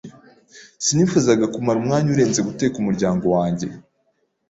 Sinifuzaga kumara umwanya urenze guteka umuryango wanjye.